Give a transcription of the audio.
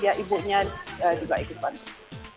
dia juga ikut banget